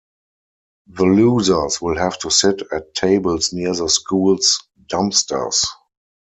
The losers will have to sit at tables near the school's dumpsters.